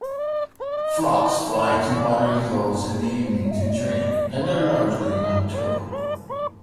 Flocks fly to watering holes in the evening to drink and are largely nocturnal.